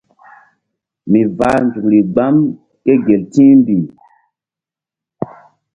Mi vah nzukri gbam ké gel ti̧hmbih.